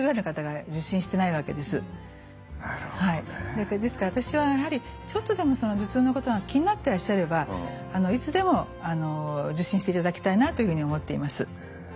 ですからですから私はやはりちょっとでも頭痛のことが気になってらっしゃればいつでも受診していただきたいなというふうに思っています。